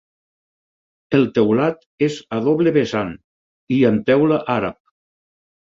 El teulat és a doble vessant i amb teula àrab.